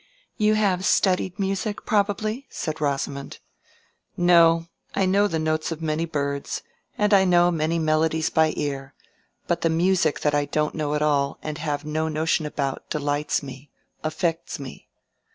"You have studied music, probably?" said Rosamond. "No, I know the notes of many birds, and I know many melodies by ear; but the music that I don't know at all, and have no notion about, delights me—affects me.